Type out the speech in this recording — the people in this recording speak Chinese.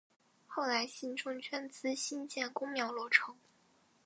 后来信众捐资兴建宫庙落成。